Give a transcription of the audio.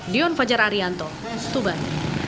dion fajar arianto tuban